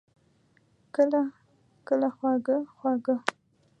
کله، کله خواږه، خواږه